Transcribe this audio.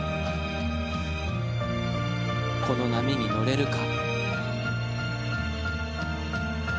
この波に乗れるか。